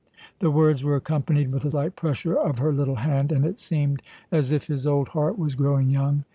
The words were accompanied with a light pressure of her little hand, and it seemed as if his old heart was growing young.